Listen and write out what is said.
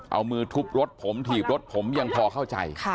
เอามือทุบรถผมถีบรถผมยังพอเข้าใจ